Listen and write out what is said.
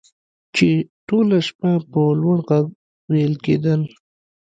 چې ټوله شپه په لوړ غږ ویل کیدل